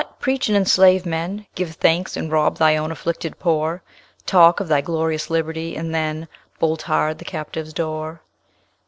preach and enslave men? Give thanks and rob thy own afflicted poor? Talk of thy glorious liberty, and then Bolt hard the captive's door."